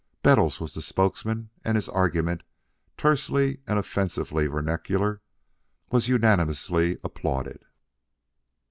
Bettles was the spokesman, and his argument, tersely and offensively vernacular, was unanimously applauded.